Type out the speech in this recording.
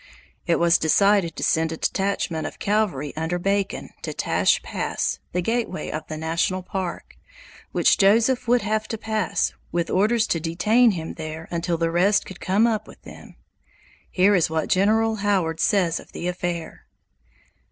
It was decided to send a detachment of cavalry under Bacon, to Tash Pass, the gateway of the National Park, which Joseph would have to pass, with orders to detain him there until the rest could come up with them. Here is what General Howard says of the affair.